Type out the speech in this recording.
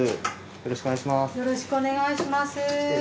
よろしくお願いします。